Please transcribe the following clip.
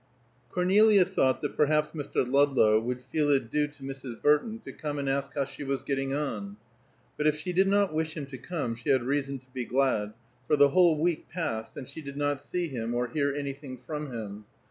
XV. Cornelia thought that perhaps Mr. Ludlow would feel it due to Mrs. Burton to come and ask how she was getting on; but if she did not wish him to come she had reason to be glad, for the whole week passed, and she did not see him, or hear anything from him.